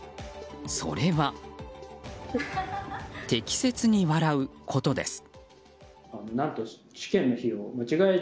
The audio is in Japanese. それは、適切に笑うことです。